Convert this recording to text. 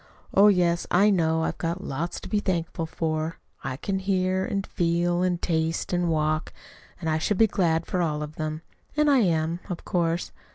Oh, yes, I know I've got lots to be thankful for. I can hear, and feel, and taste, and walk; and I should be glad for all of them. And I am, of course.